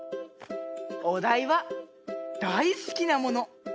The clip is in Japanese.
おだいはだいすきなもの！